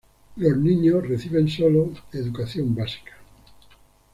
Los niños reciben solo educación básica.